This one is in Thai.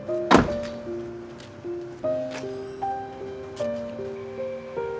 โอ้โอ้โอ้